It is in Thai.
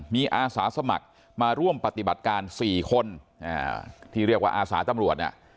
มีอาสาสมัครมาร่วมปฏิบัติการ๔คนที่เรียกว่าอาสาตำรวจเนี่ย